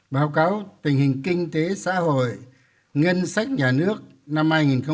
báo cáo tình hình kinh tế xã hội ngân sách nhà nước năm hai nghìn một mươi tám